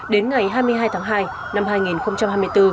đến ngày hai mươi hai tháng hai năm hai nghìn hai mươi bốn